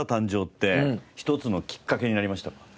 って一つのきっかけになりましたか？